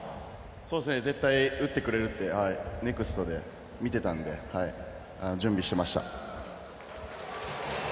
絶対、打ってくれるってネクストで見てたので準備してました。